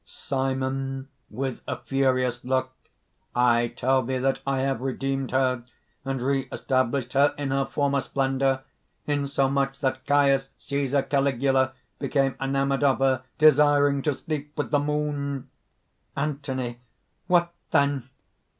SIMON (with a furious look: ) "I tell thee that I have redeemed her, and re established her in her former splendor; insomuch that Caius Cæsar Caligula became enamoured of her, desiring to sleep with the Moon!" ANTHONY. "What then?..."